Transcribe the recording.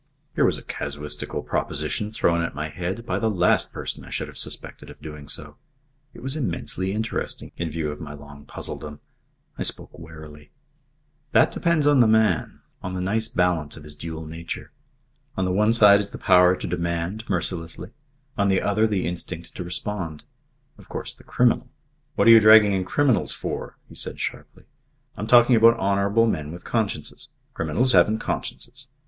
Here was a casuistical proposition thrown at my head by the last person I should have suspected of doing so. It was immensely interesting, in view of my long puzzledom. I spoke warily. "That depends on the man on the nice balance of his dual nature. On the one side is the power to demand mercilessly; on the other, the instinct to respond. Of course, the criminal " "What are you dragging in criminals for?" he said sharply. "I'm talking about honourable men with consciences. Criminals haven't consciences.